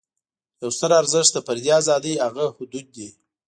یو ستر ارزښت د فردي آزادۍ هغه حدود دي.